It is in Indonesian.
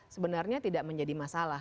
sebenarnya tidak menjadi masalah